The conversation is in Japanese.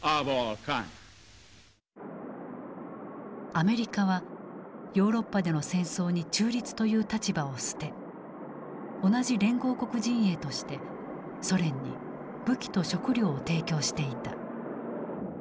アメリカはヨーロッパでの戦争に中立という立場を捨て同じ連合国陣営としてソ連に武器と食料を提供していた。